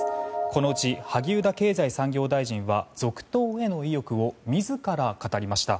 このうち萩生田経済産業大臣は続投への意欲を自ら語りました。